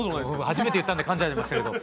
初めて言ったんでかんじゃいましたけど。